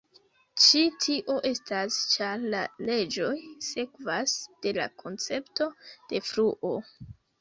Ĉi tio estas ĉar la leĝoj sekvas de la koncepto de fluo.